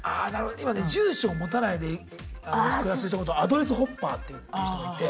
今ね住所を持たないで暮らす人のことアドレスホッパーっていってる人がいて。